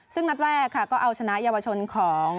ซึ่งนัดแรกค่ะก็เอาชนะเยาวชนของ